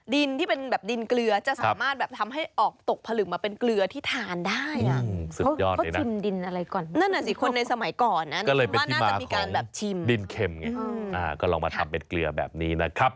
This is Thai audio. ดินที่เป็นแบบดินเกลือจะสามารถแบบทำให้ออกตกผลึกมาเป็นเกลือที่ทานได้